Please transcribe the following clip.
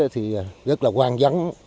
thì rất là quan vấn